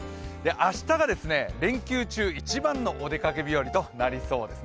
明日が連休中、一番のお出かけ日和となりそうです。